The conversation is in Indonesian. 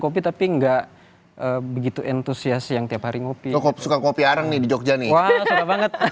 kopi tapi enggak begitu entusiasi yang tiap hari ngopi kopi kopi arang nih di jogja nih